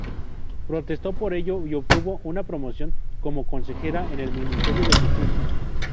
Protestó por ello y obtuvo una promoción como consejera en el ministerio de Justicia.